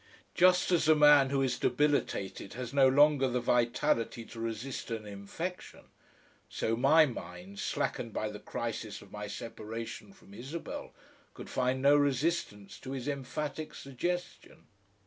Just as a man who is debilitated has no longer the vitality to resist an infection, so my mind, slackened by the crisis of my separation from Isabel, could find no resistance to his emphatic suggestion.